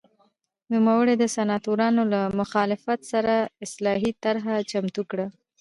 نوموړي د سناتورانو له مخالفت سره اصلاحي طرحه چمتو کړه